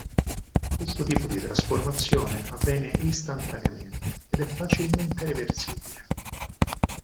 Questo tipo di trasformazione avviene istantaneamente ed è facilmente reversibile.